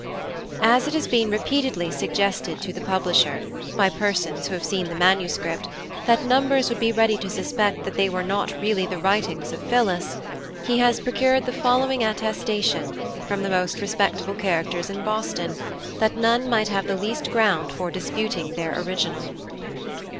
AS it has been repeatedly suggested to the Publisher, by Persons, who have seen the Manuscript, that Numbers would be ready to suspect they were not really the Writings of PHILLIS, he has procured the following Attestation, from the most respectable Characters in Boston, that none might have the least Ground for disputing their Original.